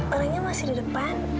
orangnya masih di depan